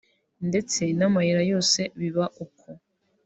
ndetse n’amayira yose biba uko